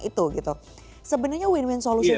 itu gitu sebenarnya win win solution